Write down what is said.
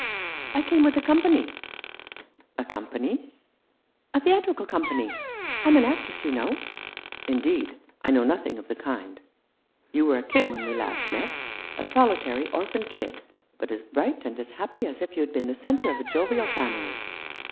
" I came with a company." " A company ?" 5 Rough Justice. "A theatrical company. I'm an actress, you know." " Indeed, I know nothing of the kind. You were a kid when we last met ; a solitary orphan kid, but as bright and as happy as if you had been the centre of a jovial family.